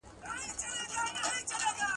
پر خوني لارو مي خیژي د خوبونو تعبیرونه ..